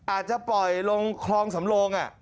อาจจะปล่อยลงคลองสำโลง